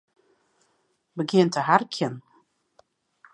Begjin te harkjen.